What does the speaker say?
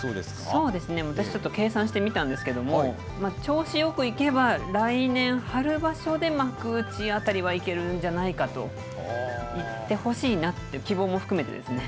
そうですね、私、ちょっと計算してみたんですけれども、調子よくいけば、来年春場所で幕内あたりはいけるんじゃないかと、いってほしいなって、希望も含めてですね。